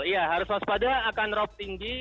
iya harus waspada akan rob tinggi